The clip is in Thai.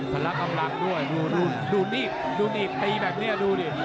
ละกำลังด้วยดูนี่ดูนี่ตีแบบนี้ดูดิ